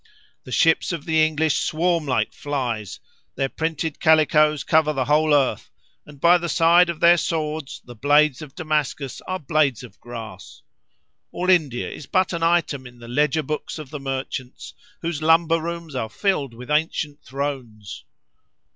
—The ships of the English swarm like flies; their printed calicoes cover the whole earth; and by the side of their swords the blades of Damascus are blades of grass. All India is but an item in the ledger books of the merchants, whose lumber rooms are filled with ancient thrones!